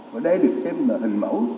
và đây được xem là hình mẫu